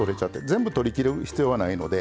全部取りきる必要はないので。